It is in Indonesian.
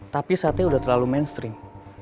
tapi sate udah terlalu mainstream